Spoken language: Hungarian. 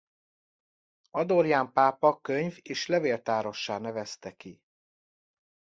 Adorján pápa könyv- és levéltárossá nevezte ki.